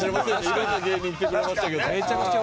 いろんな芸人来てくれましたけど。